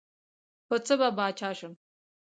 پۀ څۀ به باچا شم ـ